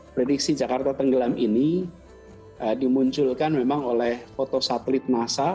prediksi jakarta tenggelam ini dimunculkan memang oleh fotosatelit nasa